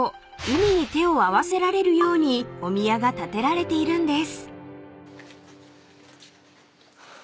海に手を合わせられるようにお宮が立てられているんです］